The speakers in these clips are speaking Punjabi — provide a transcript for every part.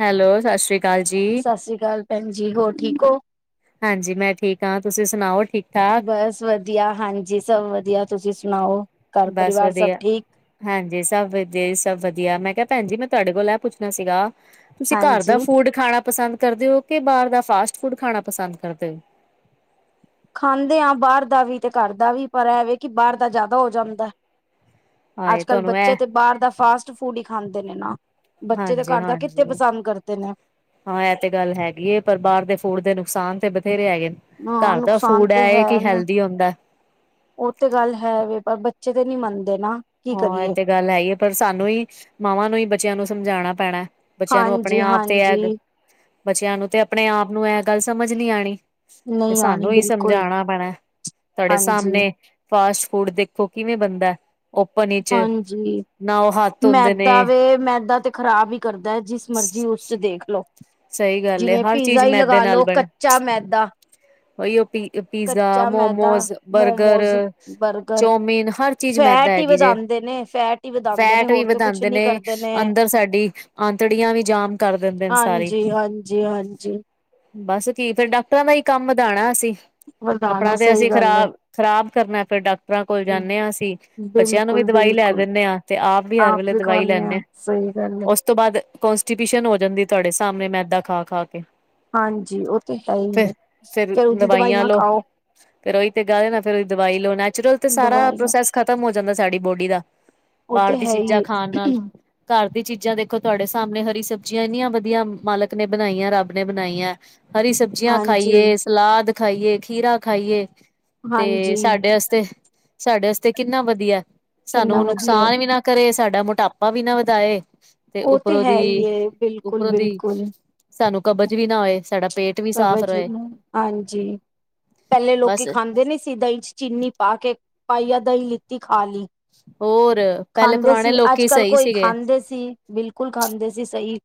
ਹੈਲ ਸਤਿ ਸ਼੍ਰੀ ਅਕਾਲ ਜੀ ਸਤਿ ਸ੍ਰੀ ਅਕਾਲ ਭੈਣ ਜੀ ਹੋਰ ਠੀਕ ਓ ਹਾਂਜੀ ਮੈਂ ਠੀਕ ਆ ਤੁਸੀਂ ਸੁਣਾਓ ਠੀਕ ਠਾਕ ਬਸ ਵਧੀਆ ਹਾਂਜੀ ਸਭ ਵਧੀਆ ਤੁਸੀਂ ਸੁਣਾਓ ਘਰ ਬਸ ਪਰਿਵਾਰ ਸਭ ਵਧੀਆ ਠੀਕ ਹਾਂਜੀ ਸਬ ਵਧੀਆ ਸਭ ਵਧੀਆ ਮੈਂ ਕਿਆ ਭੈਣ ਜੀ ਮੈਂ ਤੁਹਾਡੇ ਕੋਲ ਏ ਪੁੱਛਣਾ ਸੀਗਾ ਤੁਸੀਂ ਘਰ ਹਾਂਜੀ ਦਾ ਫੂਡ ਖਾਣਾ ਪਸੰਦ ਕਰਦੇ ਓ ਕਿ ਬਾਰ ਦਾ ਫਾਸਟ ਫੂਡ ਖਾਣਾ ਪਸੰਦ ਕਰਦੇ ਹਓ। ਖਾਂਦੇ ਆ ਬਾਰ ਦਾ ਵੀ ਤੇ ਘਰ ਦਾ ਵੀ ਪਰ ਐਵੇਂ ਕਿ ਬਾਰ ਦਾ ਜ਼ਿਆਦਾ ਹੋ ਜਾਂਦਾ ਹੈ ਹਾਏ ਅੱਜਕੱਲ੍ਹ ਦੇ ਤੁਹਾਨੂੰ ਇਹ ਬੱਚੇ ਤੇ ਬਾਹਰ ਦਾ ਫਾਸਟ ਫੂਡ ਹੀ ਖਾਂਦੇ ਨੇ ਨਾ ਬੱਚੇ ਤੇ ਹਾਂਜੀ ਘਰ ਦਾ ਕਿੱਥੇ ਹਾਂਜੀ ਪਸੰਦ ਕਰਦੇ ਨੇ ਹਾਂ ਇਹ ਤੇ ਗੱਲ ਹੈਗੀ ਹੈ ਪਰ ਬਾਹਰ ਦੇ ਫੂਡ ਦੇ ਨੁਕਸਾਨ ਤੇ ਬਥੇਰੇ ਹੈਗੇ ਨੇ ਹਾਂ ਘਰ ਦਾ ਨੁਕਸਾਨ ਫੂਡ ਹੈ ਕਿ ਹੈਲਦੀ ਹੁੰਦਾ ਓ ਤੇ ਗੱਲ ਹੈ ਵੇ ਪਰ ਬੱਚੇ ਤੇ ਨਹੀ ਮੰਨਦੇ ਨਾ ਕੀ ਹਾਂ ਇਹ ਕਰੀਏ ਤੇ ਗੱਲ ਹੈ ਇਹ ਪਰ ਸਾਨੂੰ ਹੀ ਮਾਵਾਂ ਨੂੰ ਹੀ ਬੱਚਿਆਂ ਨੂੰ ਸਮਝਾਉਣਾ ਪੈਣਾ ਬੱਚਿਆਂ ਨੂੰ ਆਪਣੇ ਹਾਂਜੀ ਆਪ ਤੇ ਐ ਹਾਂਜੀ। ਬੱਚਿਆਂ ਨੂੰ ਤੇ ਆਪਣੇ ਆਪ ਨੂੰ ਇਹ ਗੱਲ ਸਮਝ ਨਹੀ ਆਉਣੀ ਤੇ ਨਹੀਂ ਆਣੀ ਸਾਨੂੰ ਹੀ ਬਿਲਕੁਲ ਸਮਝਾਣਾ ਪੈਣਾ ਤੁਹਾਡੇ ਹਾਂਜੀ ਸਾਮਣੇ ਫਾਸਟ-ਫੂਡ ਦੇਖੋ ਕਿਵੇਂ ਬਣਦਾ ਹੈ ਹਾਂਜੀ ਉਹ ਹੱਥ ਧੋਂਦੇ ਨੇ ਮੈਦਾ ਵੇ ਮੈਦਾ ਤੇ ਖ਼ਰਾਬ ਈ ਕਰਦਾ ਹੈ ਜਿਸ ਮਰਜ਼ੀ ਉਸ ਚ ਦੇਖ ਲੋ ਸਹੀ ਗੱਲ ਏ ਜਿਵੇਂ ਹਰ ਚੀਜ਼ ਪੀਜ਼ਾ ਹੀ ਮੈਦੇ ਲਗਾ ਲੋ। ਕੱਚਾ ਮੈਦਾ। ਓਈ ਓ ਪੀ ਪੀਜ਼ਾ, ਕੱਚਾ ਮੈਦਾ momos, burger, momos burger chowmein ਹਰ ਚੀਜ਼ ਮੈਦਾ ਫੈਟ ਹੀ ਹੈਗੀ ਜੇ, ਵਧਾਉਂਦੇ ਨੇ ਫੈਟ ਹੀ ਵਧਾਉਂਦੇ ਨੇ ਫੈਟ ਵੀ ਹੋਰ ਤੇ ਕੁਛ ਵਧਾਦੇ ਨੀ ਨੇ ਕਰਦੇ ਅੰਦਰ ਸਾਡੀ ਆਂਤੜੀਆਂ ਵੀ ਜਾਮ ਕਰ ਦਿੰਦੇ ਨੇ ਸਾਰੀ। ਹਾਂਜੀ ਹਾਂਜੀ ਹਾਂਜੀ ਬਸ ਕੀ ਫੇਰ ਡਾਕਟਰਾਂ ਦਾ ਹੀ ਕੰਮ ਵਧਾਉਣਾ ਅਸੀਂ ਵਧਾਣਾ ਆਪਣਾ ਤੇ ਸਹੀ ਅਸੀਂ ਗੱਲ ਹੈ ਖ਼ਰਾਬ-ਖ਼ਰਾਬ ਕਰਨਾ ਏ, ਫਿਰ ਡਾਕਟਰਾਂ ਕੋਲ ਜਾਂਦੇ ਹਾਂ ਅਸੀਂ, ਬੱਚਿਆਂ ਨੂੰ ਵੀ ਬਿਲਕੁਲ ਦਵਾਈ ਲੈ ਬਿਲਕੁਲ ਦਿੰਦੇ ਹਾਂ, ਤੇ ਆਪ ਵੀ ਹਰ ਵੇਲੇ ਦਵਾਈ ਖਾਂਦੇ ਲੈਂਦੇ ਹਾਂ ਆ ਸਹੀ ਗੱਲ ਹੈ ਉਸ ਉਸ ਤੋਂ ਬਾਅਦ ਕੋਂਸਟੀਪਿਸ਼ਨ ਹੋ ਜਾਂਦੀ ਤੁਹਾਡੇ ਸਾਹਮਣੇ ਮੈਦਾ ਖਾ-ਖਾ ਕੇ ਹਾਂਜੀ ਉਹ ਤੇ ਹੈ ਹੀ ਹੈ। ਫੇਰ ਦਵਾਈਆਂ ਲੋ, ਫੇਰ ਉਹੀ ਤੇ ਗਾਲ ਨਾ ਫਿਰ ਉ ਦਵਾਈ ਲੋ, ਨੈਚੁਰਲ ਤੇ ਸਾਰਾ ਦਵਾਈਆਂ ਪ੍ਰੋਸੈਸ ਬਸ ਖ਼ਤਮ ਹੋ ਜਾਂਦਾ ਸਾਡੀ ਬੋਡੀ ਦਾ, ਉਹ ਬਾਹਰ ਤੇ ਦੀ ਹੈ ਹੀ ਚੀਜ਼ਾਂ ਖਾਣ ਨਾਲ ਹੈ। ਘਰ ਦੀ ਚੀਜ਼ਾਂ ਦੇਖੋ ਤੁਹਾਡੇ ਸਾਹਮਣੇ ਹਰੀ ਸਬਜ਼ੀਆਂ ਇੰਨੀਆਂ ਵਧੀਆ ਮਾਲਕ ਨੇ ਬਣਾਈਆਂ, ਰੱਬ ਨੇ ਬਣਾਈਆਂ। ਹਰੀ ਸਬਜ਼ੀਆਂ ਹਾਂਜੀ ਖਾਈਏ, ਸਲਾਦ ਖਾਈਏ, ਖੀਰਾ ਖਾਈਏ। ਤੇ ਹਾਂਜੀ ਸਾਡੇ ਅਸਤੇ, ਸਾਡੇ ਆਸਤੇ ਕਿੰਨਾ ਵਧੀਆ, ਕਿੰਨਾ ਸਾਨੂੰ ਵਧੀਆ ਨੁਕਸਾਨ ਵੀ ਨਾ ਕਰੇ ਸਾਡਾ ਮੋਟਾਪਾ ਵੀ ਨਾ ਵਧਾਏ, ਤੇ ਉਹ ਉੱਪਰੋਂ ਹੈ ਦੀ, ਹੀ ਏ ਉੱਪਰੋਂ ਦੀ ਬਿਲਕੁਲ-ਬਿਲਕੁਲ ਸਾਨੂੰ ਕਬਜ਼ ਵੀ ਨਾ ਹੋਏ, ਸਾਡਾ ਪੇਟ ਵੀ ਸਾਫ਼ ਰਹੇ ਜਿਨੁ ਹਾਂਜੀ, ਪਹਿਲੇ ਲੋਕੀ ਬਸ ਖਾਂਦੇ ਸੀ ਦਹੀਂ ਚ ਚੀਨੀ ਪਾਕੇ, ਪਾਈਆ ਦਹੀਂ ਲਿੱਤੀ ਖਾਲੀ। ਹੋਰ ਪਹਿਲੇ ਖਾਂਦੇ ਪੁਰਾਣੇ ਸੀ, ਲੋਕੀ ਅੱਜ-ਕੱਲ ਸਹੀ ਕੋਈ ਸੀਗੇ ਖਾਂਦੇ ਸੀ, ਬਿਲਕੁਲ ਖਾਂਦੇ ਸੀ ਸਹੀ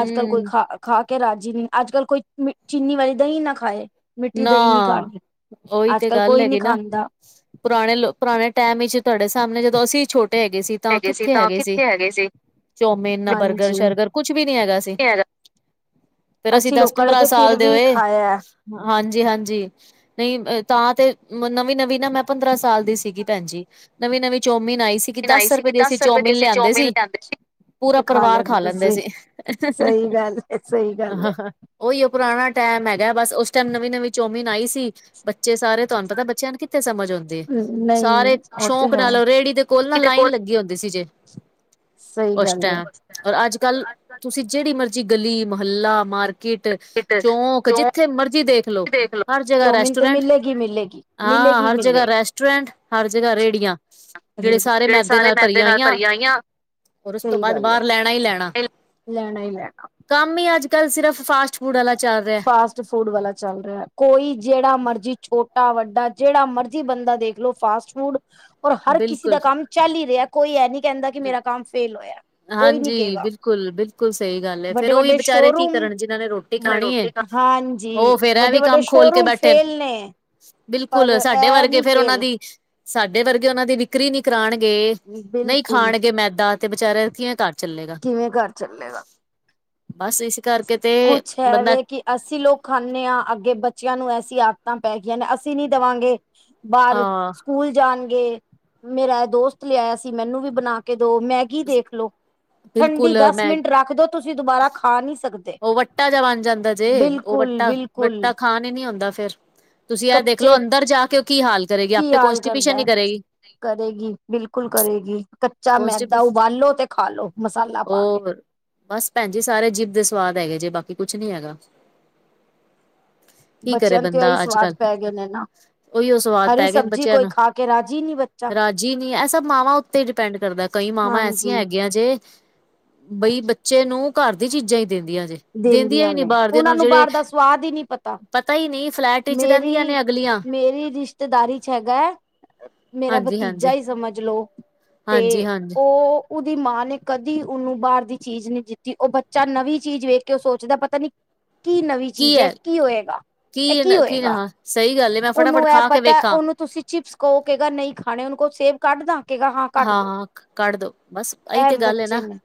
ਅੱਜ-ਕੱਲ ਕੋਈ ਖਾ, ਖਾਕੇ ਰਾਜ਼ੀ ਨਹੀਂ, ਅੱਜ-ਕੱਲ ਕੋਈ ਚੀਨੀ ਵਾਲੀ ਦਹੀਂ ਨਾ ਖਾਏ। ਮਿੱਠੀ ਨਾ, ਦਹੀਂ ਨੀ ਖਾਣੀ ਓਈ ਤੇ ਅੱਜ-ਕੱਲ ਗੱਲ ਕੋਈ ਨੀ ਹੈਗੀ ਨਾ। ਖਾਂਦਾ। ਪੁਰਾਣੇ ਲੋ, ਪੁਰਾਣੇ ਟਾਈਮ ਵਿੱਚ ਤੁਹਾਡੇ ਸਾਹਮਣੇ ਜਦੋਂ ਅਸੀਂ ਛੋਟੇ ਹੈਗੇ ਸੀ। ਤਾਂ ਕਿੱਥੇ ਹੈਗੇ ਸੀ, ਚੌਮਿਨ, ਨਾ ਹਾਂਜੀ ਬਰਗਰ-ਸ਼ਰਗਰ ਕੁਛ ਵੀ ਨੀ ਹੈਗਾ ਸੀ। ਫਿਰ ਅਸੀ ਅਸੀਂ ਲੋਕਾਂ ਨੇ ਦਸ-ਪੰਦਰਾਂ ਤੇ ਫਿਰ ਸਾਲ ਦੇ ਵੀ ਹੋਏ, ਖਾਇਆ। ਹਾਂਜੀ-ਹਾਂਜੀ ਨਹੀਂ ਤਾਂ ਤੇ, ਨਵੀਂ-ਨਵੀਂ ਨਾ ''ਮੈਂ ਪੰਦਰਾਂ ਸਾਲ ਦੀ ਸੀਗੀ ਭੈਨ ਜੀ ਨਵੀਂ-ਨਵੀਂ ਚੌਮੀਨ ਆਈ ਸੀਗੀ, ਦੱਸ ਰੁਪਏ ਦੀ ਅਸੀਂ ਚੌਮੀਨ ਲਿਆਂਦੇ ਸੀ ਪੂਰਾ ਪਰਿਵਾਰ ਖਾ ਲੈਂਦੇ ਸੀ। ਸਹੀ ਗੱਲ ਹੈ, ਸਹੀ ਗੱਲ ਹੈ। ਓਈਓ ਉਹ ਪੁਰਾਣਾ ਟਾਈਮ ਹੈਗਾ ਬਸ, ਉਸ ਟਾਈਮ ਨਵੀਂ-ਨਵੀਂ ਚੋਮੀਨ ਆਈ ਸੀ ਬੱਚੇ ਸਾਰੇ ਤੁਹਾਨੂੰ ਪਤਾ ਬੱਚਿਆਂ ਨੂੰ ਕਿੱਥੇ ਸਮਝ ਹੋਂਦੀ ਏ, ਨਹੀਂ ਸਾਰੇ ਉਹ ਤੇ ਸ਼ੌਕ ਹੈ, ਨਾਲ ਰੇਹੜੀ ਦੇ ਕੋਲ ਨਾ ਲਾਈਨ ਲੱਗੀ ਹੁੰਦੀ ਸੀ ਜੇ। ਸਹੀ ਉਸ ਗੱਲ ਹੈ। ਟਾਇਮ, ਔਰ ਅੱਜ-ਕੱਲ ਤੁਸੀ ਜਿਹੜੀ ਮਰਜ਼ੀ ਜੀ ਗਲੀ, ਮਹੱਲਾ, ਮਾਰਕੀਟ, ਚੌਂਕ ਜਿੱਥੇ ਮਰਜ ਦੇਖਲੋੋ, ਚ ਦੇਖ ਲਓ। ਹਰ ਜਗਾ ਚੌਮਿਨ ਤੇ ਰੈਸਟੋਰੈਂਟ, ਮਿਲੇਗੀ, ਮਿਲੇਗੀ, ਮਿਲੇਗੀ, ਹਾਂ ਹਰ ਜਗ੍ਹਾ ਮਿਲੇਗੀ। ਰੈਸਟੋਰੈਂਟ ਹਰ ਜਗ੍ਹਾ ਰੇੜੀਆਂ, ਜਿਹੜੇ ਸਾਰੇ ਮੈਦੇ ਨਾਲ ਭਰੀਆਂ ਹੋਈਆਂ ਉਸ ਤੋ ਸਹੀ ਬਾਅਦ, ਗੱਲ ਹੈ, ਬਾਹਰ ਲੈਣਾ ਹੀ ਲੈਣਾ। ਲੈਣਾ ਹੀ ਲੈਣਾ। ਕੰਮ ਈ ਅੱਜ-ਕਲ ਸਿਰਫ ਫਾਸਟ-ਫੂਡ ਵਾਲਾ ਚੱਲ ਰਿਹਾ। ਫਾਸਟ ਫੂਡ ਵਾਲਾ ਚੱਲ ਰਿਹਾ, ਕੋਈ ਜਿਹੜਾ ਮਰਜੀ ਛੋਟ ਟਾ ਵੱਡਾ ਜਿਹੜਾ ਮਰਜੀ ਬੰਦਾ ਦੇਖਲੋੋ ਫਾਸਟ ਫੂਡ, ਔਰ ਹਰ ਕਿਸੀ ਬਿਲਕੁਲ ਦਾ ਕੰਮ ਚੱਲ ਈ ਰਿਹਾ, ਕੋਈ ਇਹ ਨੀ ਕਹਿੰਦਾ ਕਿ ਮੇਰਾ ਕੰਮ ਫੇਲ ਹੋਇਆ। ਕੋਈ ਨੀ ਹਾਂਜੀ, ਕਹੇਗਾ, ਬਿਲਕੁਲ-ਬਿਲਕੁਲ ਸਹੀ ਗੱਲ ਏ, ਫੇਰ ਉਹ ਵੀ ਵੱਡੇ-ਵੱਡੇ ਬਚਾਰੇ ਕੀ ਸ਼ੋਰੂਮ ਕਰਨ ਜਿਹਨਾਂ ਨੇ ਰੋਟੀ ਨਾਲੇ ਖਾਣੀਏ। ਰੋਟੀ ਖਾ ਹਾਂਜੀ, ਵੱਡੇ-ਵੱਡੇ ਸ਼ੋਰੂਮ ਫੇਲ ਨੇ। ਪਰ ਬਿਲਕੁਲ, ਸਾਡੇ ਐ ਵਰਗੇ ਨੀ ਫੇਰ ਉਹਨਾਂ ਫੇਲ, ਦੀ ਸਾਡੇ ਵਰਗੇ ਉਹਨਾਂ ਦੀ ਵਿਕ੍ਰੀ ਨੀ ਕਰਾਣਗੇ, ਨਹੀਂ ਬਿਲਕੁਲ ਖਾਣਗੇ ਮੈਦਾ, ਤੇ ਵਿਚਾਰੇ ਜੇ ਘਰ ਚੱਲੇਗਾ, ਕਿਵੇਂ ਘਰ ਚੱਲੇਗਾ। ਬਸ ਇਸ ਕਰਕੇ ਤੇ ਕੁਛ ਹੈ ਬੰਦਾ ਵੇ ਕਿ ਅਸੀਂ ਲੋਕ ਖਾਂਦੇ ਹਾਂ ਅੱਗੇ ਬੱਚਿਆਂ ਨੂੰ ਐਸੀ ਆਦਤਾਂ ਪੈ ਗਈਆਂ ਨੇ ਅਸੀਂ ਨੀ ਦੇਵਾਂਗੇ ਬਾਹਰ ਅਹ ਸਕੂਲ ਜਾਣਗੇ ਮੇਰਾ ਦੋਸਤ ਲਿਆਇਆ ਸੀ ਮੈਨੂੰ ਵੀ ਬਣਾ ਕੇ ਦੋ ਮੈਂ ਦੇਖਲੋ ਠੰਡੀ ਬਿਲਕੁਲ ਦਸ ਮੈਂ ਮਿੰਟ ਰੱਖ ਦਿਓ ਤੁਸੀਂ ਦੁਬਾਰਾ ਖਾ ਨਹੀਂ ਉਹ ਵੱਟਾ ਜਿਹਾ ਬਣ ਜਾਂਦਾ ਜੇ ਉਹ ਵੱਟਾ ਬਿਲਕੁਲ-ਬਿਲਕੁਲ, ਵੱਟਾ ਖਾਣ ਹੀ ਨੀ ਹੁੰਦਾ ਫੇਰ ਤੁਸੀਂ ਯਾਰ ਦੇਖਲੋ ਕੱਚੇ ਅੰਦਰ ਜਾ ਕੇ ਉਹ ਕੀ ਹਾਲ ਕਰੇਗੀ ਕੀ ਆਪੇ ਹਾਲ ਕੋਂਸਟੀਪੀਸ਼ਨ ਕਰਦੈ। ਹੀ ਕਰੇਗੀ ਕਰੇਗੀ ਬਿਲਕੁਲ ਕਰੇਗੀ ਕੱਚਾ ਮੈਦਾ ਕੋਂਸਟੀਪੇਸ਼ ਉਬਾਲੋ ਤੇ ਖਾਲੋ ਮਸਾਲਾ ਪਾ ਕੇ ਹੋਰ ਬਸ ਭੈਣ ਜੀ ਸਾਰੇ ਜੀਭ ਦੇ ਸਵਾਦ ਹੈਗੇ ਜੇ ਬਾਕੀ ਕੁਛ ਨੀ ਹੈਗਾ ਕੀ ਬੱਚਿਆਂ ਤੇ ਇਹੀ ਸਵਾਦ ਪੈ ਗਏ ਨੇ ਨਾ ਉਹੀ ਓ ਸਵਾਦ ਹਰੀ ਪੈ ਗਏ ਨੇ ਸਬਜ਼ੀ ਬੱਚਿਆਂ ਕੋਈ ਨੂੰ ਖਾ ਕੇ ਰਾਜੀ ਨੀ ਬੱਚਾ ਰਾਜੀ ਨੀ ਇਹ ਸਭ ਮਾਵਾਂ ਉੱਤੇ ਪੈਡ ਕਰਦਾ ਕਈ ਮਾਵਾਂ ਐਸੀਆਂ ਹਾਂਜੀ ਹੈਗੀਆਂ ਜੇ ਬਈ ਬੱਚੇ ਨੂੰ ਘਰ ਦੀ ਚੀਜ਼ਾਂ ਹੀ ਦਿੰਦੀਆਂ ਜੇ ਦਿੰਦੀਆਂ ਹੀ ਨੀ ਨੇ ਬਾਹਰ ਦੀ ਉਹਨਾਂ ਨੂੰ ਜਿਹੜੇ ਬਾਹਰ ਦਾ ਸਵਾਦ ਹੀ ਨਹੀਂ ਪਤਾ ਹੀ ਨਹੀਂ ਫਲੈਟ ਵਿਚ ਰਹਿੰਦੀਆਂ ਮੇਰੀ ਨੇ ਅਗਲੀਆਂ ਮੇਰੀ ਰਿਸ਼ਤੇਦਾਰੀ ਚ ਹੈਗਾ ਹੈ ਮੇਰਾ ਹਾਂਜੀ ਹਾਂਜੀ ਭਤੀਜਾ ਹੀ ਸਮਝ ਲੋਓ ਹਾਂਜੀ ਤੇ ਹਾਂਜੀ ਉਹ ਉਹਦੀ ਮਾਂ ਨੇ ਕਦੀ ਉਹਨੂੰ ਬਾਹਰ ਦੀ ਚੀਜ਼ ਨਹੀਂ ਦਿੱਤੀ ਉਹ ਬੱਚਾ ਨਵੀਂ ਚੀਜ਼ ਵੇਖ ਕਿ ਉਹ ਸੋਚਦਾ ਪਤਾ ਨੀ ਕੀ ਨਵੀਂ ਚੀਜ਼ ਹੈ ਕੀ ਹੋਏਗਾ ਇਹ ਕੀ ਹੋਏਗਾ ਸਹੀ ਗੱਲ ਹੈ, ਮੈਂ ਫਟਾਫਟ ਉਹਨੂੰ ਇਹ ਖਾ ਕੇ ਪਤਾ ਵੇਖਾਂ ਉਹਨੂੰ ਤੁਸੀਂ ਚਿਪਸ ਕਹੋ ਕਹਿਗਾ ਨਹੀਂ ਖਾਣੇ ਕੋ ਸੇਬ ਕੱਢਦਾ ਕੇ ਗਾ ਹਾਂ [unintelligible] ਹਾਂ ਕੱਢ ਦੋ ਬਸ ਅਸੀਂ ਇਹ ਤੇ ਗੱਲ ਹੈ ਬੱਚੇ ਨਾ ਨੇ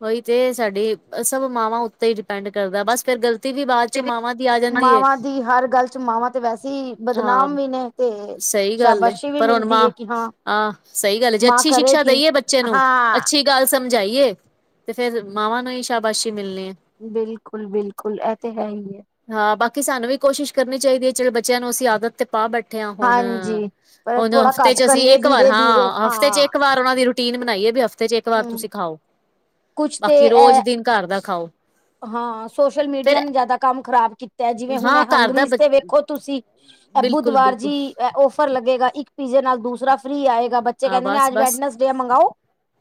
ਕੋਈ ਜੇ ਸਾਡੀ ਸਭ ਮਾਵਾਂ ਉੱਤੇ ਹੀ ਡਿਪੈਂਡ ਕਰਦਾ ਬਸ ਫੇਰ ਗਲਤੀ ਵੀ ਬਾਅਦ ਚ ਮਾਵਾਂ ਦੀ ਆ ਜਾਂਦੀ ਹੈ ਮਾਵਾਂ ਦੀ ਹਰ ਗੱਲ ਚ ਮਾਵਾਂ ਤੇ ਵੈਸੇ ਹੀ ਹਾਂ ਬਦਨਾਮ ਵੀ ਨੇ ਤੇ [unintelligible] ਸਹੀ ਗੱਲ ਸ਼ਾਬਾਸ਼ੀ ਵੀ ਪਰ ਹੁਣ ਮਿਲਦੀ ਮਾਂ ਹੈ ਕਿ ਹਾਂ ਸਹੀ ਗੱਲ ਮਾਂ ਅੱਛੀ ਸ਼ਿਕਸ਼ਾ ਕਰੇਗੀ। ਦਈਏ ਬੱਚੇ ਨੂੰ ਹਾਂ ਅੱਛੇ ਗੱਲ ਸਮਝਾਈਏ ਤੇ ਫੇਰ ਮਾਵਾਂ ਨੂੰ ਹੀ ਸ਼ਾਬਾਸ਼ੀ ਮਿਲਣੀ ਹੈ ਬਿਲਕੁਲ ਬਿਲਕੁਲ ਇਹ ਤਾਂ ਹੈ ਹੀ ਹਾਂ ਬਾਕੀ ਸਾਨੂੰ ਵੀ ਕੋਸ਼ਿਸ਼ ਕਰਨੀ ਚਾਹੀਦੀ ਹੈ ਚਲੋ ਬੱਚਿਆਂ ਨੂੰ ਅਸੀਂ ਆਦਤ ਤੇ ਪਾ ਬੈਠੇ ਬੈਠਿਆ ਹੁਣ ਹਾਂਜੀ। ਪਰ ਹੁਣ ਥੋੜਾ ਹਫ਼ਤੇ ਘੱਟ ਚ ਅਸੀਂ ਕਰੀਏ ਇੱਕ ਵਾਰ ਧੀਰੇ ਧੀਰੇ ਹਾਂ ਘਰ ਉਹਨਾਂ ਦੀ ਰੂਟੀਨ ਬਣਾਈਏ ਵੀ ਹਫ਼ਤੇ ਚ ਇਕ ਵਾਰ ਤੁਸੀਂ ਹੂੰ ਖਾਓ ਕੁਛ ਤੇ ਬਾਕੀ ਇਹ ਰੋਜ਼ ਦਿਨ ਘਰ ਦਾ ਖਾਓ ਹਾਂ, ਸੋਸ਼ਲ ਫੇਰ ਮੀਡੀਆ ਨੇ ਜ਼ਿਆਦਾ ਕੰਮ ਖ਼ਰਾਬ ਕੀਤਾ। ਜਿਵੇਂ ਹੁਣ ਹਾਂ ਘਰ ਦਾ ਹੰਗਰੀਜ਼ ਤੇ ਵੇਖੋ ਤੁਸੀਂ ਬਿਲਕੁਲ ਬੁੱਧਵਾਰ ਜੀ ਬਿਲਕੁਲ ਆਫਰ ਲੱਗੇਗਾ। ਪੀਜ਼ੇ ਨਾਲ ਦੂਸਰਾ ਫਰੀ ਆਏਗਾ ਬੱਚੇ ਕਹਿੰਦੇ ਨੇ ਅਜ ਵੈਡਨਸ ਡੇ ਹੈ ਮੰਗਵਾਓ।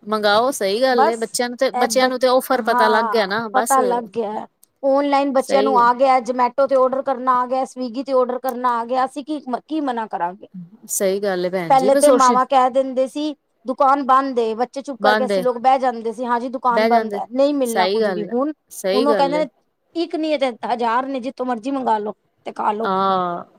ਮੰਗਓ, ਸਹੀ ਗੱਲ ਏ ਬੱਚਿਆਂ ਨੂੰ ਤੇ ਇਹ ਬੱਚਿਆਂ ਬ ਨੂੰ ਤੇ ਔਫਰ ਪਤਾ ਲੱਗ ਗਿਆ ਹਾਂ ਨਾ। ਬਸ ਪਤਾ ਲੱਗ ਗਿਆ, ਆਨਲਾਈਨ ਬੱਚਿਆਂ ਨੂੰ ਸਹੀ ਆ ਆ ਗਿਆ ਜਮੈਟੋ ਤੇ ਆਰਡਰ ਕਰਨਾ ਆ ਗਿਆ ਸਵੀਗੀ ਤੇ ਆਰਡਰ ਅਸੀਂ ਕੀ ਕੀ ਮਨਾ ਕਰਾਂਗੇ ਸਹੀ ਗੱਲ ਹੈ ਭੈਣ ਜੀ ਪਹਿਲੇ ਬਸ ਤੇ ਸੋਸ਼ ਮਾਵਾਂ ਕਹਿ ਦਿੰਦੇ ਸੀ ਦੁਕਾਨ ਬੰਦ ਏ ਬੱਚੇ ਚੁੱਪ ਕਰਕੇ ਬਣਦੇ ਅਸੀਂ ਲੋਕ ਬਹਿ ਜਾਂਦੇ ਸੀ ਹਾਂਜੀ, ਦੁਕਾਨ ਬਹਿ ਬੰਦ ਜਾਂਦੇ ਹੈ ਨਹੀਂ ਮਿਲਣਾ ਸਹੀ ਕੁੱਝ ਵੀ। ਗੱਲ ਹੈ ਹੁਨ ਸਹੀ ਉਹ ਗੱਲ ਏ ਕਹਿੰਦੇ ਇੱਕ ਨੀ ਹੈ ਤੇ ਹਜ਼ਾਰ ਨੇ ਜਿੱਥੋਂ ਮਰਜੀ ਮੰਗ ਲੋੋ। ਆ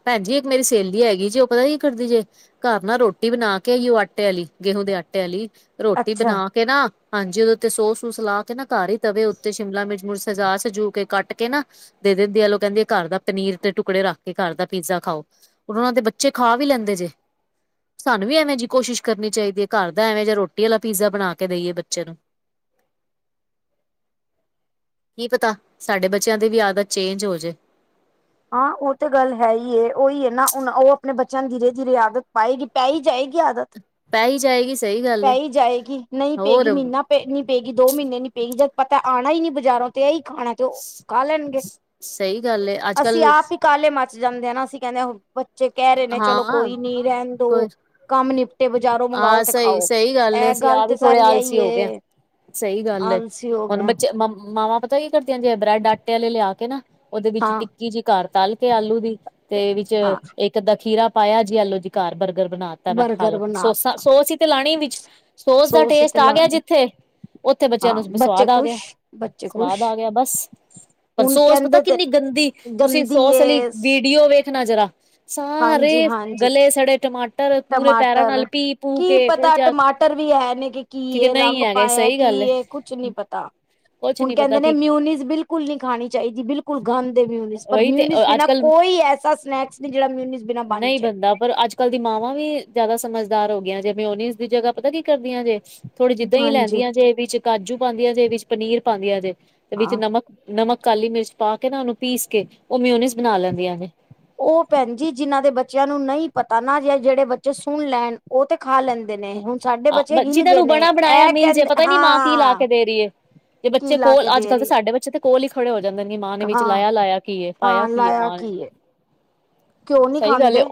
ਭੈਣ ਜੀ ਇੱਕ ਮੇਰੀ ਸਹੇਲੀ ਹੈਗੀ ਜੇ ਉਹ ਪਤਾ ਕਿ ਕਰਦੀ ਜੇ ਘਰ ਨਾ ਰੋਟੀ ਬਣਾ ਕੇ ਏਹੋ ਹੀ ਆਟੇ ਵਾਲੀ ਗੇਹੂ ਦੇ ਆਟੇ ਵਾਲੀ ਰੋਟੀ ਅੱਛਾ ਬਣਾ ਕੇ ਨਾ ਹਾਂਜੀ, ਉਹ ਦੇ ਉੱਤੇ ਸੋਸ-ਸੂਸ ਲਾ ਕੇ ਨਾ ਘਰ ਹੀ ਤਵੇ ਉੱਤੇ ਸ਼ਿਮਲਾ ਮਿਰਚ-ਮੁਰਚ ਸਜਾ-ਸਜਾ ਕੇ ਕੱਟ ਕੇ ਨਾ ਦੇ ਦਿੰਦੀ ਆ, ਲੋ ਕਹਿੰਦੀ ਆ ਘਰ ਦਾ ਪਨੀਰ ਤੇ ਟੁ ਟੁਕੜੇ ਰੱਖ ਕੇ ਘਰ ਦਾ ਪੀਜ਼ਾ ਖਾਓ ਉਹਨਾਂ ਦੇ ਬੱਚੇ ਖਾ ਵੀ ਲੈਂਦੇ ਜੇ। ਸਾਨੂੰ ਵੀ ਐਵੇਂ ਜਿਹੀ ਕੋਸ਼ਿਸ਼ ਕਰਨੀ ਚਾਹੀਦੀ ਹੈ ਘਰ ਦਾ ਐਵੇਂ ਜਿਹਾ ਰੋਟੀ ਵਾਲਾ ਪੀਜ਼ਾ ਬਣਾ ਕੇ ਦੇਈਏ ਬੱਚੇ ਨੂੰ। ਕੀ ਪਤਾ, ਸਾਡੇ ਬੱਚਿਆਂ ਦੀ ਵੀ ਆਦਤ ਚੇਂਜ ਹੋਜੇ। ਹਾਂ, ਉਹ ਤੇ ਗੱਲ ਹੈ ਹੀ ਉਹੀ ਹੈ ਨਾ ਹੁਣ ਉਹ ਆਪਣੇ ਬੱਚਿਆਂ ਦੀ ਧੀਰੇ-ਧੀਰੇ ਆਦਤ ਪਾਏਗੀ। ਪੈ ਹੀ ਜਾਏਗੀ ਆਦਤ ਪੈ ਹੀ ਜਾਏਗੀ ਸਹੀ ਗੱਲ ਪੈ ਏ ਹੀ ਜਾਏਗੀ ਨਹੀਂ ਹੋਰ ਪਏਗੀ ਮਹੀਨਾ ਨੀ ਪਏਗੀ ਦੋ ਮਹੀਨੇ ਨੀ ਪਏਗੀ ਜਦ ਪਤਾ ਆਣਾ ਹੀ ਨੀ ਬਾਜ਼ਾਰੋਂ ਤੇ ਇਹ ਹੀ ਖਾਣਾ ਤੇ ਉਹ ਖਾ ਲੈਣਗੇ। ਸਹੀ ਗੱਲ ਹੈ ਅਸੀਂ ਅੱਜ-ਕੱਲ੍ਹ ਆਪ ਹੀ ਕਾਲੇ ਮੱਚ ਜਾਂਦੇ ਆ ਨਾ ਅਸੀਂ ਕਹਿੰਦੇ ਹ ਬੱਚੇ ਕਹਿ ਰਹੇ ਨੇ ਚਲੋ ਹਾਂ ਕੋਈ ਨੀ ਰਹਿਣ ਦੋ ਕੋਈ ਕੰਮ ਨੀ ਤੇ ਬਜ਼ਾਰੋ ਮੰਗਓ ਹਾਂ ਤੇ ਸਹੀ ਖਾਓ ਸਹੀ ਏ ਇਹ ਅਸੀਂ ਗੱਲ ਆਪ ਵੀ ਤੇ ਥੋੜੇ ਸਾਰੀ ਆਲਸੀ ਏਹੀ ਹੋ ਗਏ ਆ। ਏ ਸਹੀ ਗੱਲ ਹੈ, ਆਲਸੀ ਹੋ ਹੁਣ ਗਿਆ ਬੱਚੇ ਮ ਮਾਵਾ ਪ ਕਈ ਕਰਦੀਆਂ ਜੇ ਬ੍ਰੈਡ ਆਟੇ ਵਾਲੇ ਲਿਆ ਕੇ ਨਾ ਉਹਦੇ ਵਿੱਚ ਹਾਂ ਟਿੱਕੀ ਜਿਹੀ ਘਰ ਤਲ ਕੇ ਆਲੂ ਦੀ ਤੇ ਵਿੱਚ ਹਾਂ ਇੱਕ-ਅਦਾ ਖੀਰਾ ਪਾਇਆ ਜੀ ਏਲੋ ਜੀ ਘਰ ਬਰਗਰ ਬਣਾ ਦਿੱਤਾ ਮੈਂ ਖਾ ਬਰਗਰ ਲੋ। ਬਣਾ ਸੋਸਾ-ਸੋਸ ਹੀ ਤੇ ਲਾਣੀ ਵਿੱਚ ਸੋਸ ਦਾ ਟੇਸਟ ਤੇ ਆ ਗਿਆ ਲਾਣੀ ਜਿੱਥੇ ਉੱਥੇ ਬੱਚਿਆਂ ਹਾਂ ਨੂੰ ਬੱਚੇ ਸਵਾਦ ਆ ਖੁਸ਼ ਗਿਆ- ਬੱਚੇ ਖੁਸ਼ ਸਵਾਦ ਆ ਗਿਆ ਬਸ ਪਰ ਹੁਣ ਸੋਸ ਪਤਾ ਕਹਿੰਦੇ ਤੇ ਕਿੰਨੀ ਗੰਦੀ ਤੁਸੀਂ ਗੰਦੀ ਸੋਸ ਵਾਲੀ ਏ ਵੀਡੀਓ ਵੇਖਣਾ ਜਰਾ ਹਾਂਜੀ ਸਾਰੇ ਹਾਂਜੀ ਗਲੇ-ਸੜੇ ਟਮਾਟਰ ਪੂਰੇ ਪੈਰਾਂ ਟਮਾਟਰ ਨਾਲ ਪੀ ਪੂ ਕੀ ਕੇ ਫਿਰ ਪਤਾ ਜਾ ਟਮਾਟਰ ਵੀ ਹੈ ਨੇ ਕਿ ਕੀ ਠੀਕ ਇਹ ਨਹੀਂ ਰੰਗ ਹੈਗੇ ਪਾਇਆ ਸਹੀ ਕੀ ਗੱਲ ਹੈ ਇਹ ਕੁਛ ਨਹੀ ਪਤਾ ਕੁਛ ਹੁਣ ਨੀ ਪਤਾ ਕਹਿੰਦੇ ਨੇ ਕਿ ਮਿਊਨਿਜ਼ ਬਿਲਕੁਲ ਨਹੀ ਖਾਣੀ ਚਾਹੀਦੀ ਬਿਲਕੁਲ ਗੰਦ ਮਿਊਨਿਜ਼ ਪਰ ਉਹੀ ਤੇ ਮਿਊਨਿਜ਼ ਅੱਜ ਬਿਨਾਂ ਕੱਲ ਕੋਈ ਐ ਏਸਾ ਸਨੈਕਸ ਜਿਹੜਾ ਮਿਊਨਿਜ਼ ਬਿਨਾਂ ਬਣ ਜਾਏ। ਦਾ ਪਰ ਅੱਜ-ਕੱਲ੍ਹ ਦੀ ਮਾਵਾਂ ਵੀ ਜ਼ਿਆਦਾ ਸਮਝਦਾਰ ਹੋ ਗਈਆਂ ਜੇ ਮਿਊਨਿਜ ਦੀ ਜਗ੍ਹਾ ਪਤਾ ਕੀ ਕਰਦੀਆਂ ਜੇ ਥੋੜੀ ਜੀ ਦਹੀਂ ਹਾਂਜੀ ਲੈਂਦੀਆਂ ਜੇ ਵਿੱਚ ਕਾਜੂ ਪਾਉਂਦੀਆਂ ਜੇ, ਪਨੀਰ ਪਾਉਂਦੀਆਂ ਜੇ ਵਿੱਚ ਹਾਂ ਨਮਕ ਨਮਕ- ਕਾਲੀ ਮਿਰਚ ਪਾ ਕੇ ਨਾ ਉਹਨੂੰ ਪੀਸ ਕੇ ਉਹ ਮਿਊਨਿਜ਼ ਬਣਾ ਲੈਂਦੀਆਂ ਨੇ। ਉਹ ਭੈਣ ਜੀ ਜਿਨਾਂ ਦੇ ਬੱਚਿਆਂ ਨੂੰ ਨਹੀਂ ਪਤਾ ਨਾ ਜੇ ਜਿਹੜੇ ਬੱਚੇ ਸੁਣ ਲੈਣ ਉਹ ਤੇ ਖਾ ਲੈਂਦੇ ਨੇ ਹੁਣ ਸਾਡੇ ਆ ਬੱਚੇ ਬੱਚੀ ਹਿੱਲ ਗਏ ਤੁਹਨੂੰ ਨੇ ਬਣਾ- ਬਣਾਇਆ ਇਹ ਮਿਲ ਜੈ ਕਹਿੰਦੇ ਪਤਾ ਨੀ ਮਾਂ ਕੀ ਹਾਂ ਲਾਕੇ ਦੇ ਰਹੀ ਹੈ। ਤੇ ਕੀ ਬੱਚੇ ਲਾ ਕੋਲ ਕੇ ਦੇ ਅੱਜ-ਕੱਲ੍ਹ ਤਾਂ ਰਹੀ ਹੈ ਸਾਡੇ ਬੱਚੇ ਤੇ ਕੋਲ ਹੀ ਖੜੇ ਹੋ ਜਾਂਦੇ ਨੇ ਮਾਂ ਨੇ ਵਿੱਚ ਹਾਂ ਲਾਇਆ-ਲਾਇਆ ਕੀ ਏ ਪਾਇਆ ਹਾਂ ਕੀ ਹੈਏ ਲਾਇਆ ਮਾਂ ਨੇ ਏ ਘਿਓ ਨਹੀ ਸਹੀ ਗੱਲ ਖਾਂਦੇ ਹੈ,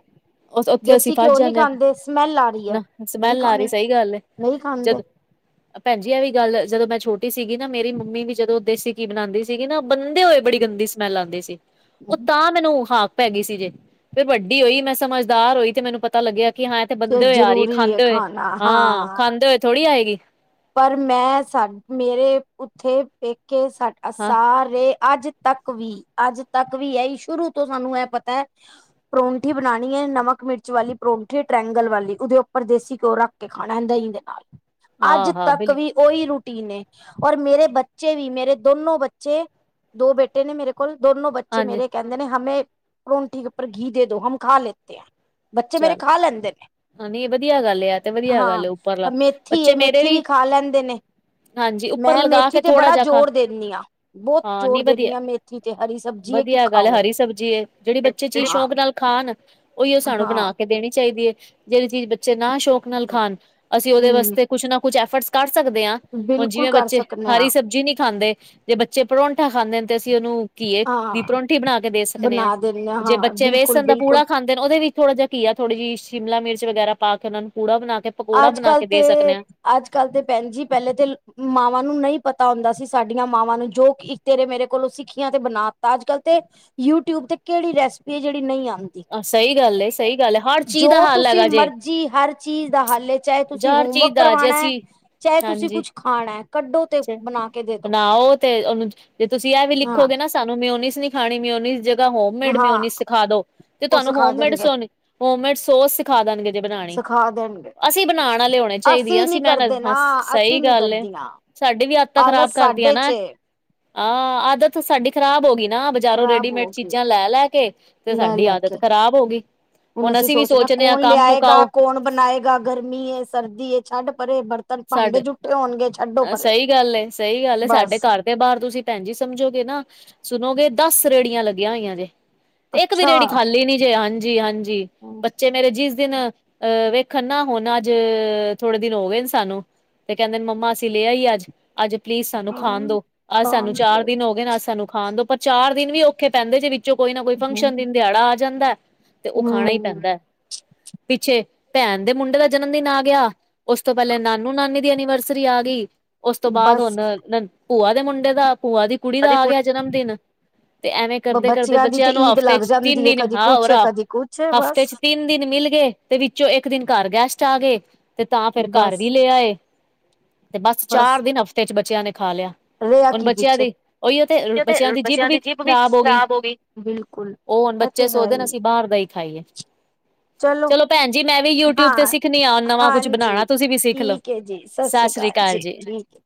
ਉੱਥੇ ਅਸੀਂ ਦੇਸੀ ਫਸ ਘਿਓ ਨਹੀ ਜਾਂਦੇ ਹਾਂ ਖਾਂਦੇ ਸਮੈਲ ਆ ਰਹੀ ਹੈ ਨਾ ਨਹੀਂ ਸਮੈਲ ਆ ਰਹੀ ਖਾਣੀ। ਸਹੀ ਗੱਲ ਹੈ ਨਹੀਂ ਖਾਂਦੇ ਜਦੋਂ ਭੈਣਜੀ ਇਹ ਵੀ ਗੱਲ ਜਦੋਂ ਮੈਂ ਛੋਟੀ ਸੀਗੀ ਨਾ ਮੇਰੀ ਮੰਮੀ ਵੀ ਜਦੋਂ ਦੇਸੀ ਘੀ ਬਣਾਉਂਦੀ ਸੀ। ਕਿਨਾ ਬੰਦੇ ਹੋਏ ਬੜੀ ਗੰਦੀ ਸਮੈਲ ਆਉਂਦੀ ਸੀ। ਉਹ ਤਾਂ ਮੈਨੂੰ ਹਾਕ ਪੈ ਗਈ ਸੀ ਜੇ ਫਿਰ ਵੱਡੀ ਹੋਈ ਮੈਂ ਸਮਝਦਾਰ ਹੋਈ ਤੇ ਮੈਨੂੰ ਪਤਾ ਲੱਗਿਆ। ਕਿ ਹਾਂ ਇਥੇ ਬੰਦੇ ਹੋਏ ਆ ਰਹੀ ਹੈ ਖਾਂਦੇ ਹੋਏ ਹਾਂ ਖਾਂਦੇ ਹੋਏ ਥੋੜ੍ਹੀ ਆਏਗੀ। ਪਰ ਮੈਂ ਸਾਡ ਮੇਰੇ ਉੱਥੇ ਪੇਕੇ ਸਾ ਹਾਂ ਸਾਰੇ ਅੱਜ ਤੱਕ ਵੀ ਅੱਜ ਤੱਕ ਵੀ ਹੈ ਹੀ ਸ਼ੁਰੂ ਤੋਂ ਸਾਨੂੰ ਇਹ ਪਤਾ ਹੈ ਪਰੌਂਠੀ ਬਣਾਉਣੀ ਹੈ ਨਮਕ-ਮਿਰਚ ਵਾਲੀ ਪਰੌਂਠੇ ਟ੍ਰੈਂਗਲ ਵਾਲੀ ਉਹਦੇ ਉੱਪਰ ਦੇਸੀ ਘਿਓ ਰਖ ਕੇ ਖਾਣਾ ਇਂਦਾ ਇਂਦੇ ਨਾਲ ਅੱਜ ਹਾਂ-ਹਾਂ, ਤੱਕ ਬਿਲਕੁਲ। ਵੀ ਉਹੀ ਰੂਟੀਨ ਏ ਔਰ ਮੇਰੇ ਬੱਚੇ ਵੀ ਮੇਰੇ ਦੋਨੋ ਬੱਚੇ ਦੋ ਬੇਟੇ ਬੇਟੇ ਨੇ ਮੇਰੇ ਕੋਲ ਦੋਨੋ ਬੱਚੇ ਹਾਂਜੀ ਮੇਰੇ ਕਹਿੰਦੇ ਨੇ ਹਮੇ ਪਰੋਂਠੀ ਕੇ ਉੱਪਰ ਘੀ ਦੇ ਦੋ ਹਮ ਖਾ ਲੇਤੇ ਏ ਬੱਚੇ ਮੇਰੇ ਖਾ ਚਲੋ ਲੈਂਦੇ ਨੇ ਨਹੀਂ ਵਧੀਆ ਗੱਲ ਆ ਤੇ ਵਧੀਆ ਗੱਲ ਹਾਂ ਉੱਪਰਲਾ ਮੇਥੀ ਮੇ ਬੱਚੇ ਮੇਰੇ ਮੇਥੀ ਵੀ ਖਾ ਲੈਂਦੇ ਨੇ ਹਾਂਜੀ ਉੱਪਰ ਮੈਂ ਲਗਾ ਕੇ ਮੇਥੀ ਤੇ ਥੋੜਾ ਬੜਾ ਜਿਆ ਖਾ ਜ਼ੋਰ ਦਿੰਦੀ ਹਾਂ। ਬਹੁਤ ਹਾਂ ਜ਼ੋਰ ਨਹੀਂ ਵਧੀਆ ਦਿੰਦੀ ਹਾਂ ਮੇਥੀ ਤੇ ਹਰੀ ਸਬਜ਼ੀ ਹੈ ਕਿ ਵਧੀਆ ਗੱਲ ਖਾਓ। ਹੈ ਹਰੀ ਸਬਜ਼ੀ ਜਿਹੜੀ ਬੱਚੇ ਚੀਜ਼ ਹਾਂ ਸ਼ੌਂਕ ਨਾਲ ਖਣ ਉਹੀ ਹਾਂ ਬਣਾ ਕੇ ਦੇਣੀ ਚਾਹੀਦੀ ਹੈ ਜਿਹੜੀ ਚੀਜ਼ ਬੱਚੇ ਨਾ ਸ਼ੌਕ ਨਾਲ ਖਾਣ ਅਸੀਂ ਉਹਦੇ ਹਮ ਵਾਸਤੇ ਕੁਛ ਨਾ ਕੁਛ ਐਫਰਟਸ ਕਰ ਸਕਦੇ ਆ ਹੁਨ ਬਿਲਕੁਲ ਜਿਵੇਂ ਕਰ ਬੱਚੇ ਸਕਦੇ ਹਰੀ ਹਾਂ ਸਬਜ਼ੀ ਨਹੀ ਖਾਂਦੇ ਜੇ ਬੱਚੇ ਪਰੋਂਂਠਾ ਖਾਂਦੇ ਨੇ ਤੇ ਅਸੀਂ ਉਹਨੂੰ ਕੀ ਏ ਵੀ ਹਾਂ ਪਰੋਂਠੀ ਬਣਾ ਕੇ ਦੇ ਸਕਨੇ ਆ ਬਣਾ ਦਿੰਦੇ ਹਾਂ ਜੇ ਹਾਂ ਬੱਚੇ ਬਿਲਕੁਲ ਵੇਸਣ ਤਾਂ ਪੂੜਾ ਬਿਲਕੁਲ ਖਾਂਦ ਨ ਉਹਦੇ ਵਿੱਚ ਥੋੜਾ ਜਿਆ ਘੀਆ ਥੋੜੀ ਸ਼ਿਮਲਾ ਮਿਰਚ ਵਗੈਰਾ ਪਾ ਕੇ ਉਹਨਾਂ ਨੂੰ ਪੁੜਾ ਬਣਾ ਕੇ ਪਕੌੜਾ ਅੱਜ ਬਣਾ ਕੱਲ ਕੇ ਤੇ ਦੇ ਸਕਦੇ ਹਾਂ ਅੱਜ ਕੱਲ ਤੇ ਭੈਨ ਜੀ ਪਹਿਲੇ ਤੇ ਮਾਵਾਂ ਨੂੰ ਨਹੀਂ ਪਤਾ ਹੁੰਦਾ ਸੀ ਸਾਡੀਆਂ ਮਾਵਾਂ ਨੂੰ ਜੋ ਤੇਰੇ ਮੇਰੇ ਕੋਲ ਸਿੱਖੀਆਂ ਤੇ ਬਨਾ ਤਾ ਅੱਜ ਕੱਲ੍ਹ ਤੇ ਯੂਟਿਊਬ ਤੇ ਕਿਹੜੀ ਰੈਸਪੀ ਹੈ ਜਿਹੜੀ ਨਹੀਂ ਆਂਂਦੀ ਆਹ ਸਹੀ ਗੱਲ ਏ ਸਹੀ ਗੱਲ ਹੈ ਹਰ ਚੀਜ਼ ਜੋ ਦਾ ਹੱਲ ਤੁਸੀਂ ਹੈਗਾ ਜੇ ਮਰਜੀ ਹਰ ਚੀਜ਼ ਦਾ ਹੱਲ ਚਾਹੇ ਤੁਸੀਂ ਹਰ ਹੋਮਵਰਕ ਚੀਜ਼ ਦਾ ਜੇ ਕਰਵਾਣਾ ਅਸੀਂ ਚਾਹੇ ਤੁਸੀਂ ਕੁੱਛ ਖਾਣਾ ਕੱਢੋ ਤੇ ਬਣਾ ਕੇ ਦੇ ਦੋ ਬਨਾਓ ਤੇ ਉਹਨੂੰ ਜੇ ਤੁਸੀਂ ਇਹ ਵੀ ਹਾਂ ਲਿਖੋਗੇ ਨਾ ਸਾਨੂੰ ਮਿਓਨੀਜ਼ ਨੀ ਖਾਣੀ ਮਿਉਨੀਜ਼ ਦੀ ਜਗ੍ਹਾ ਹੋਮੇਡ ਹਾਂ ਮਿਉਨਿਜ਼ ਸਿੱਖਾ ਦੋ ਤੇ ਉਹ ਤੁਹਾਨੂੰ ਸਿਖਾ ਹੋਮੇਡ ਦੇਣਗੇ ਸੋ ਹੋਮੇਡ ਸੋਸ ਸਿਖਾ ਦੇਣਗੇ ਜੇ ਬਨਾਣੀ ਸਿਖਾ ਦੇਣਗੇ ਅਸੀਂ ਬਨਾਣ ਆਲੇ ਹੋਣੇ ਚਾਹੀਦੀ ਏ ਅਸੀਂ ਨੀ ਮੈ ਕਰਦੇ ਹ ਨਾ ਸਹੀ ਅਸੀਂ ਨੀ ਗੱਲ ਏ। ਕਰਦੀਆਂ ਸਾਡੀ ਵੀ ਆਦਤਾਂ ਖ਼ਰਾਬ ਆਲਸ ਕਰਤੀਆਂ ਸਾਡੇ ਚ ਨਾ। ਏ ਹਾਂ ਆਦਤ ਤੇ ਸਾਡੀ ਖ਼ਰਾਬ ਹੋ ਗਈ ਨਾ ਬਜ਼ਾਰੋਂ ਖ਼ਰਾਬ ਰੇਡੀਮੇਡ ਹੋ ਗਏ ਚੀਜ਼ਾਂ ਲੈ ਲੈ ਕੇ। ਤੇ ਲੈ ਸਾਡੀ ਲੈ ਕੇ ਆਦਤ ਖ਼ਰਾਬ ਹੋ ਗਈ ਹੁਣ ਹੁਨ ਅਸੀਂ ਵੀ ਸੋਚਣਾ ਸੋਚਨੇ ਆ ਕੌਣ ਕੰਮ ਲਿਆਏਗਾ ਮੁਕਾਓ ਕੌਣ ਬਣਾਏਗਾ ਗਰਮੀ ਏ ਸਰਦੀ ਏ ਛੱਡ ਪਰੇ ਬਰਤਨ ਭਾਂਡੇ ਜੂਠੇ ਹੋਣਗੇ। ਛੱਡੋ ਏ ਪਰੇ ਸਹੀ ਗੱਲ ਏ ਸਹੀ ਗੱਲ ਏ ਸਾਡੇ ਬਸ ਘਰ ਬਾਹਰ ਤੁਸੀਂ ਭੈਨ ਜੀ ਸਮਝੋਗੇ ਨਾ ਸੁਨੋਗੇ ਦਸ ਰੇੜੀਆਂ ਲੱਗੀਆਂ ਹੋਈਆਂ ਜੇ। ਏਕ ਵੀ ਅੱਛਾ ਰੇਹੜੀ ਖਾਲੀ ਨੀ ਜੇ ਹਾਂਜੀ ਹਾਂਜੀ ਬੱਚੇ ਮੇਰੇ। ਜਿਸ ਦਿਨ ਅਹ ਵੇਖਣ ਨਾ ਹੁਨ ਅੱਜ ਥੋੜੇ ਦਿਨ ਹੋ ਗਏ ਨੇ ਸਾਨੂੰ। ਤੇ ਕਹਿੰਦੇ ਨ ਮੰਮਾ ਅਸ ਲੇ ਆਈ ਅੱਜ ਅੱਜ ਪਲੀਜ਼ ਸਾਨੂੰ ਖਾਨ ਦੋ ਅੱਜ ਸਾਨੂੰ ਖਾਣ ਚਾਰ ਚ ਦਿਨ ਹੋ ਗਏ ਅੱਜ ਸਾਨੂੰ ਖਾਨ ਦੋ ਪ। ਚਾਰ ਦਿਨ ਵੀ ਔਖੇ ਪੈਂਦੇ ਜੇ ਵਿੱਚੋਂ ਕੋਈ ਨਾ ਕੋਈ ਹੂੰ ਫੰਕਸ਼ਨ ਦਿਨ ਦਿਹਾੜਾ ਆ ਜਾਂਦਾ। ਤੇ ਉਹ ਖਾਣਾ ਈ ਹੂੰ ਪੈਂਦਾ। ਪਿੱਛੇ ਭੈਨ ਦੇ ਮੁੰਡੇ ਦਾ ਜਨਮ ਦਿਨ ਆ ਗਿਆ ਉਸ ਤੋਂ ਪਹਿਲੇ ਨਾਨੂ ਨਾਨੀ ਦੀ ਐਨੀਵਰਸਰੀ ਆ ਗ। ਉਸ ਤੋਂ ਬਾਅਦ ਬਸ ਹੁਨ ਭੂਆ ਦੇ ਮੁੰਡੇ ਦਾ ਭੂਆ ਦੀ ਕੁੜੀ ਦਾ ਆ ਗਿਆ ਜਨਮ ਦਿਨ। ਤੇ ਏਵੇਂ ਕਰਦੇ ਕਰਦੇ ਦੀ ਤੇ ਬੱਚਿਆਂ ਨੂੰ ਈਦ ਹਫ਼ਤੇ ਲੱਗ ਚ ਤਿੰਨ ਜਾਂਦੀ ਹੈ ਦਿਨ ਕਦੀ ਹਾਂ ਹੋ ਕੁਛ ਕਦੀ ਕੁਛ ਬਸ ਹਫ਼ਤੇ ਚ ਤਿੰਨ ਤਿੰਨ ਦਿਨ ਮਿਲ ਗਏ ਤੇ ਵਿੱਚੋਂ ਇੱਕ ਦਿਨ ਘਰ ਗੈਸਟ ਆ ਗਏ ਤੇ ਤਾਂ ਫਿਰ ਘਰ ਬਸ ਵੀ ਲੈ ਆਏ। ਤੇ ਬਸ ਚਾਰ ਦਿਨ ਹਫ਼ਤੇ ਚ ਬੱਚਿਆਂ ਨੇ ਖਾ ਲਿਆ। ਰਿਹਾ ਹੁਣ ਕੀ ਬੱਚਿਆਂ ਪਿੱਛੇ ਦੀ ਉਹੀ ਉਹ ਤੇ ਬੱਚਿਆਂ ਦੀ ਜੀਬ ਵੀ ਖ਼ਰਾਬ ਹੋ ਗਈ। ਉਹ ਹੁਨ ਇਹ ਬੱਚੇ ਤੇ ਹੈ ਸੋਚਦੇ ਨੇ ਹੀ ਅਸੀਂ ਬਾਹਰ ਦਾ ਹੀ ਖਾਈਏ। ਚਲੋ ਭੈਨ ਜੀ ਮੈਂ ਵੀ ਯੂਟਿਊਬ ਤੇ ਹਾਂ ਸਿੱਖਨੀ ਆ ਨਵਾਂ ਕੁਛ ਹਾਂਜੀ ਬਨਾਣਾ ਤੁਸੀਂ ਵੀ ਸਿੱਖ ਲਓ ਠੀਕ ਹੈ ਜੀ ਸਤਿ ਸ੍ਰੀ। ਅਕਾਲ ਜੀ ਠਕ। [unintelligible]